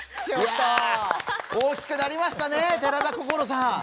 大きくなりましたね寺田心さん。